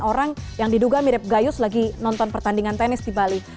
orang yang diduga mirip gayus lagi nonton pertandingan tenis di bali